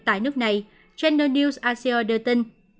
tại nước này channel news asia đưa tin